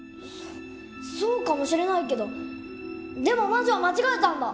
そそうかもしれないけどでも魔女は間違えたんだ！